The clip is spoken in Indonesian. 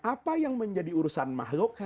apa yang menjadi urusan makhluk